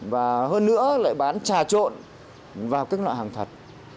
và hơn nữa lại bán trà trộn vào các loại hàng thật